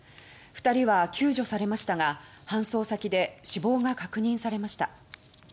２人は救助されましたが搬送先で死亡が確認されました。